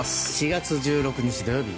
４月１６日土曜日